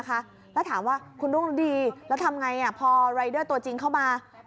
แล้วถามว่าคุณรุ่งฤดีแล้วทำไงพอรายเดอร์ตัวจริงเข้ามา